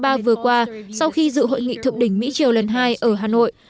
tháng ba vừa qua sau khi dự hội nghị thượng đỉnh mỹ chiều lần hai ở hà nội